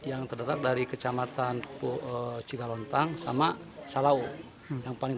ada anak juga ya pak